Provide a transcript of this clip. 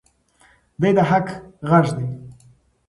دی د حق غږ دی.